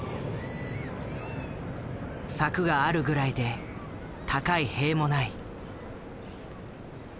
柵があるぐらいで高い塀もない。